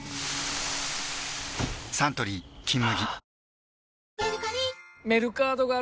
サントリー「金麦」